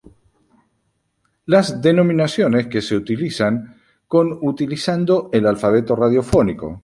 Las denominaciones que se utilizan con utilizando el alfabeto radiofónico.